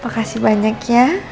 makasih banyak ya